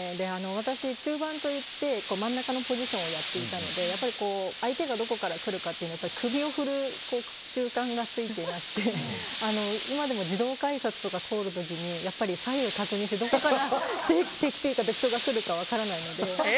私、中盤といって真ん中のポジションをやっていたのでやっぱり相手がどこから来るか首を振る習慣がついてまして今でも自動改札とか通る時にやっぱり左右確認してどこかから敵というか人が来るか分からないので。